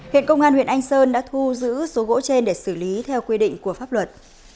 hiện công an huyện anh sơn đã thu giữ số gỗ trên để xử lý theo quy định của pháp luật